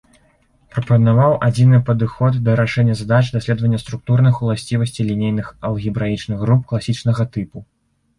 Прапанаваў адзіны падыход да рашэння задач даследавання структурных уласцівасцей лінейных алгебраічных груп класічнага тыпу.